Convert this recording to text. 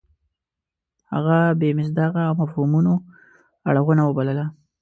هغه یې بې مصداقه او مفهومونو اړونه وبلله.